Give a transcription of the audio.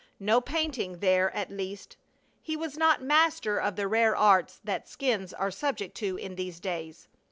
No painting there at least! He was not master of the rare arts that skins are subject to in these days.